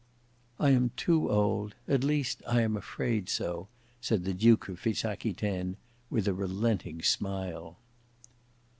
"I am too old; at least, I am afraid so," said the Duke of Fitz Aquitaine, with a relenting smile.